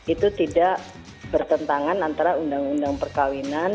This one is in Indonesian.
itu tidak bertentangan antara undang undang perkawinan